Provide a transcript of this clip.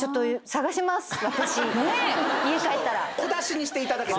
家帰ったら。